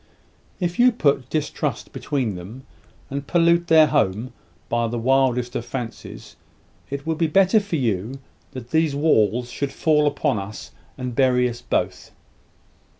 If you put distrust between them, and pollute their home by the wildest of fancies, it would be better for you that these walls should fall upon us, and bury us both."